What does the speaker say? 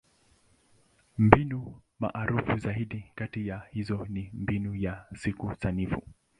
Mbinu maarufu zaidi kati ya hizo ni Mbinu ya Siku Sanifu.